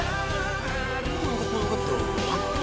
lu manggut manggut dulu